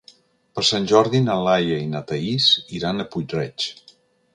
Per Sant Jordi na Laia i na Thaís iran a Puig-reig.